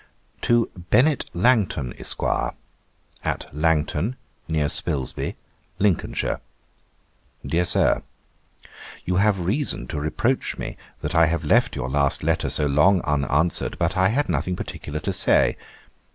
'TO BENNET LANGTON, ESQ., AT LANGTON, NEAR SPILSBY, LINCOLNSHIRE. 'DEAR SIR, 'You have reason to reproach me that I have left your last letter so long unanswered, but I had nothing particular to say.